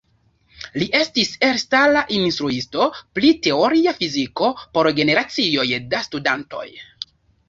Li estis elstara instruisto pri teoria fiziko por generacioj da studantoj.